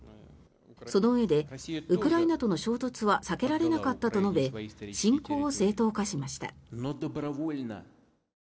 そのうえでウクライナとの衝突は避けられなかったと述べ侵攻を正当化しました。